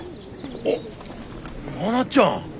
おっ真夏ちゃん！